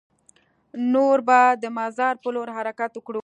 نور به د مزار په لور حرکت وکړو.